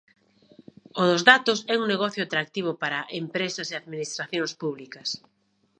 O dos datos é un negocio atractivo para empresas e administracións públicas.